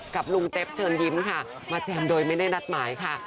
กับลุงเต็ปเชิญยิ้มค่ะมาแจมโดยไม่ได้นัดหมายค่ะ